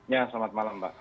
ya selamat malam mbak